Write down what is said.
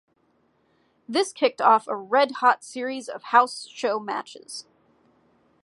This kicked off a red hot series of house show matches.